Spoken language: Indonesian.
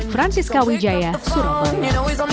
francisca wijaya surabaya